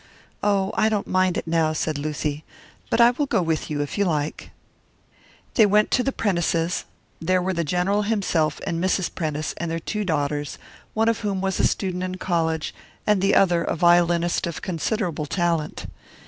"Oh, I don't mind it now," said Lucy. "But I will go with you, if you like." They went to the Prentices'. There were the General himself, and Mrs. Prentice, and their two daughters, one of whom was a student in college, and the other a violinist of considerable talent.